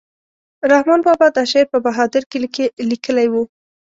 رحمان بابا دا شعر په بهادر کلي کې لیکلی و.